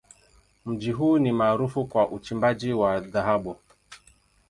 Mji huu ni maarufu kwa uchimbaji wa dhahabu.